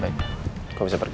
baik kamu bisa pergi